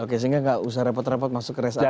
oke sehingga gak usah repot repot masuk ke rest area